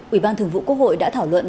ủy ban thường vụ quốc hội đã thảo luận